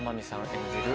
演じる